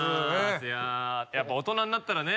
いややっぱ大人になったらね